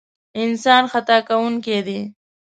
انسان خطا کوونکی دی.